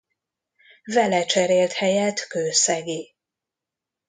Vele cserélt helyet Kőszegi.